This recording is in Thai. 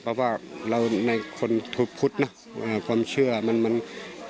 เพราะว่าเราในคนทุกขุธนะความเชื่อมันมันก็ไม่รบหลุ